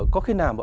có khi nào mà